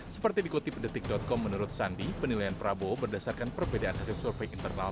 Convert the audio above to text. seperti dikutip detik com menurut sandi penilaian prabowo berdasarkan perbedaan hasil survei internal